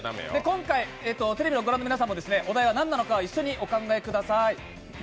今回テレビをご覧の皆さんはお題が何なのか一緒にお考えください。